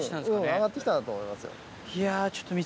上がって来たんだと思いますよ。